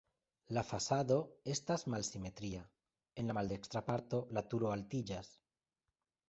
La fasado estas malsimetria, en la maldekstra parto la turo altiĝas.